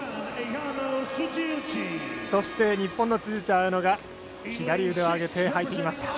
そして、日本の辻内彩野が左腕をあげて入ってきました。